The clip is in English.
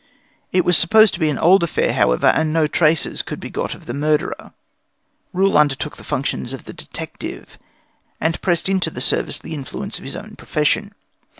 It was supposed to be an old affair, however, and no traces could be got of the murderer. Rule undertook the functions of the detective, and pressed into the service the influence of his own profession.